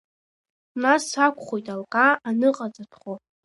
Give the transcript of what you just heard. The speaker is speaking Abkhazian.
Нас акәхоит алкаа аныҟаҵатәхо.